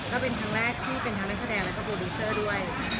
ก็เป็นครั้งแรกที่เป็นทั้งนักแสดงแล้วก็โปรดิวเซอร์ด้วย